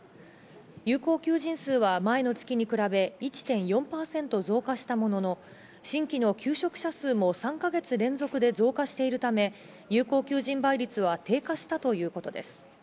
有効求人数は前の月に比べ１．４％増加したものの、新規の求職者数も３か月連続で増加しているため、有効求人倍率は低下したということです。